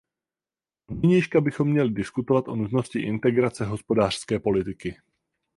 Od nynějška bychom měli diskutovat o nutnosti integrace hospodářské politiky.